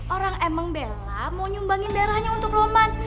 orang emang bella mau nyumbangin darahnya untuk roman